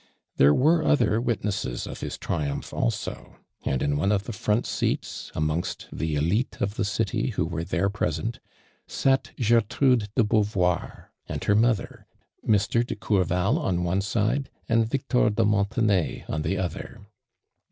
There were other witnesses of his triumph also, and in one of the front seats, amongst the elite of the city who were there present, sat Gertrude de Beaiivoir and her mother, Mr. de Courval on one side, an<l Victor de Montenay on the other.